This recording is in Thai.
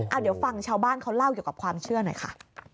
เอาเดี๋ยวฟังชาวบ้านเขาเล่าเกี่ยวกับความเชื่อหน่อยค่ะ